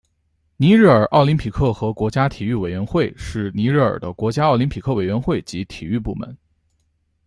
尼日尔奥林匹克和国家体育委员会是尼日尔的国家奥林匹克委员会及体育部门。